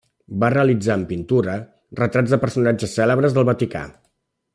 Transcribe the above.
Va realitzar, en pintura, retrats de personatges cèlebres del Vaticà.